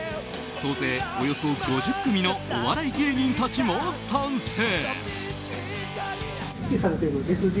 総勢およそ５０組のお笑い芸人たちも参戦。